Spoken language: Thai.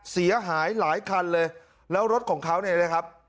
เสียหายหลายคันเลยแล้วรถของเขาเนี่ยนะครับ